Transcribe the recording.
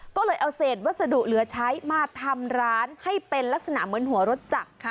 ก็เลยเอาเศษวัสดุเหลือใช้มาทำร้านให้เป็นลักษณะเหมือนหัวรถจักร